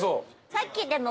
さっきでも。